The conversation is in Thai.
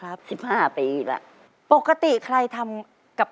ตัวเลือกที่สอง๘คน